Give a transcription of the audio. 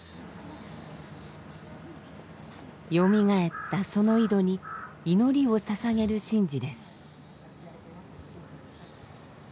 よみがえったその井戸に祈りをささげる神事です。